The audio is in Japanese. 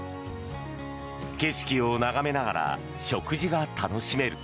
景色を眺めながら食事が楽しめる。